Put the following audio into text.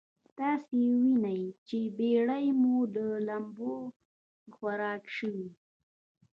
تاسې وينئ چې بېړۍ مو د لمبو خوراک شوې.